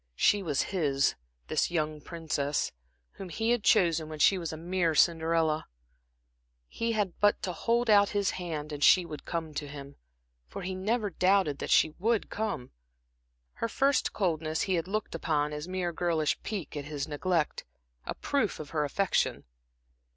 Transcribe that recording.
She was his, this young princess, whom he had chosen when she was a mere Cinderella; he had but to hold out his hand and she would come to him. For he never doubted that she would come. Her first coldness he had looked upon as mere girlish pique at his neglect, a proof of her affection.